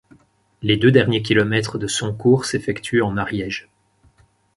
Les deux derniers kilomètres de son cours s'effectuent en Ariège.